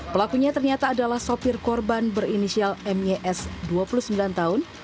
pelakunya ternyata adalah sopir korban berinisial mys dua puluh sembilan tahun